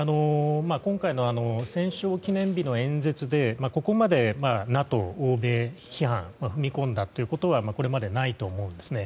今回の戦勝記念日の演説でここまでＮＡＴＯ、欧米批判に踏み込んだということはこれまでないと思うんですね。